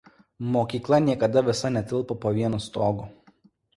Mokykla niekada visa netilpo po vienu stogu.